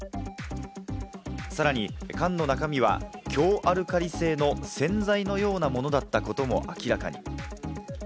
さらに缶の中身は強アルカリ性の洗剤のようなものだったことも明らかに。